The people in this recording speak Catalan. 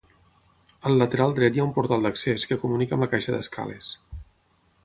Al lateral dret hi ha un portal d'accés que comunica amb la caixa d'escales.